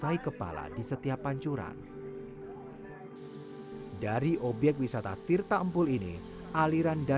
dari ke dua belas magari di ketiga tiba tiba selama empat bulan atauodo